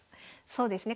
そうですね